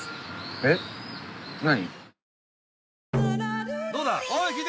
えっ何？